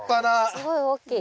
すごい大きい。